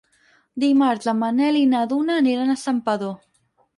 Dimarts en Manel i na Duna aniran a Santpedor.